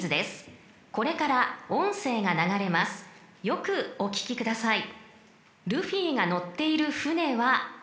［よくお聴きください］